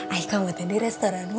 ayo kamu teh di restoran makan apa